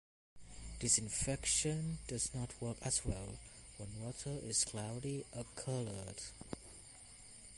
Disinfection does not work as well when water is cloudy or colored.